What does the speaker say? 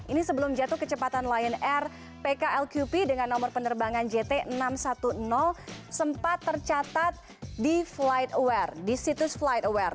ini sebelum jatuh kecepatan lion air pklqp dengan nomor penerbangan jt enam ratus sepuluh sempat tercatat di flightware